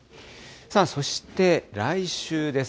そして、来週です。